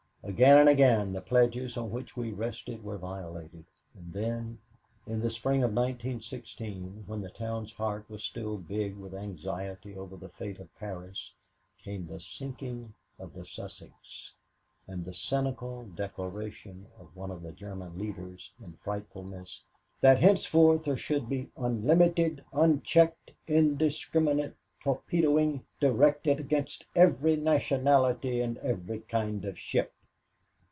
Again and again the pledges on which we rested were violated; and then, in the spring of 1916, when the town's heart was still big with anxiety over the fate of Paris, came the sinking of the Sussex, and the cynical declaration of one of the German leaders in frightfulness that henceforth there should be "unlimited, unchecked, indiscriminate torpedoing, directed against every nationality and every kind of ship."